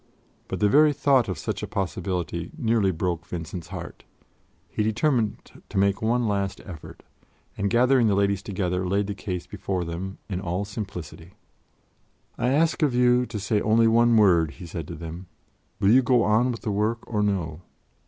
But the very thought of such a possibility nearly broke Vincent's heart; he determined to make one last effort, and, gathering the Ladies together, laid the case before them in all simplicity. "I ask of you to say only one word," he said to them: "will you go on with the work or no?